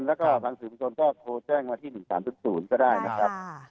แล้วก็ทางสื่อมนตรนก็โทรแจ้งมาที่๑๓๐ก็ได้